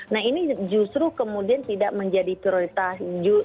nah ini justru kemudian tidak menjadi prioritas